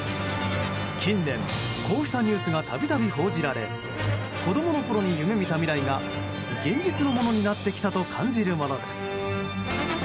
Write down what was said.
近年こうしたニュースが度々、報じられ子供のころに夢見た未来が現実のものになってきたと感じるものです。